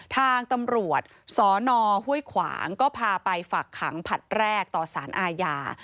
ทางตำรวจสนห้วยขวางก็พาไปฝากขังผลัดแรกต่อสารอาญา